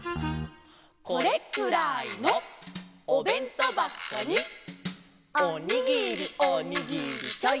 「これくらいのおべんとばこに」「おにぎりおにぎりちょいとつめて」